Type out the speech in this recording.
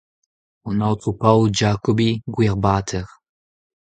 An Aotrou Paul Giacobbi : Gwir-Bater !